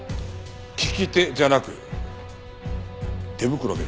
利き手じゃなく手袋を見ろ。